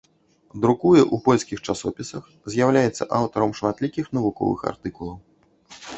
Друкуе ў польскіх часопісах, з'яўляецца аўтарам шматлікіх навуковых артыкулаў.